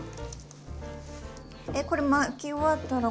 えっこれ巻き終わったら。